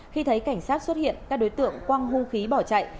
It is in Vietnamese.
khi thấy cảnh sát xuất hiện các đối tượng quang hung khí bỏ chạy